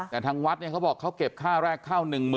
แต่ทางวัดเนี่ยเขาบอกเขาเก็บค่าแรกเข้า๑๐๐๐